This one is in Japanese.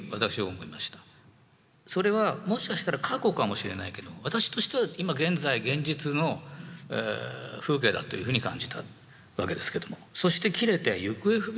それはもしかしたら過去かもしれないけど私としては今現在現実の風景だというふうに感じたわけですけども。